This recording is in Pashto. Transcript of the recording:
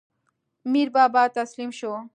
میربابا تسلیم شو.